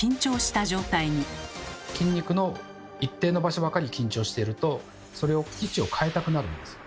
筋肉の一定の場所ばかり緊張しているとそれを位置を変えたくなるんです。